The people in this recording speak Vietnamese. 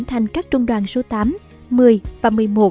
thành các trung đoàn số tám một mươi và một mươi một